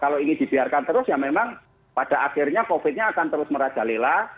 kalau ini dibiarkan terus ya memang pada akhirnya covid nya akan terus merajalela